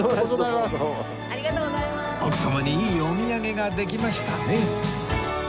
奥様にいいお土産ができましたね